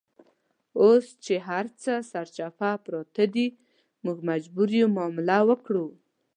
اوس چې هرڅه سرچپه پراته دي، موږ مجبور یو معامله وکړو.